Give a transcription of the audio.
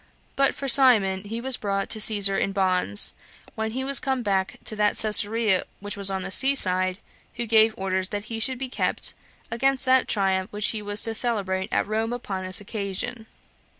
But for Simon, he was brought to Caesar in bonds, when he was come back to that Cesarea which was on the seaside, who gave orders that he should be kept against that triumph which he was to celebrate at Rome upon this occasion.